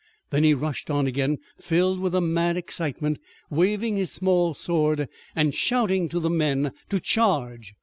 Then he rushed on again, filled with a mad excitement, waving his small sword, and shouting to the men to charge.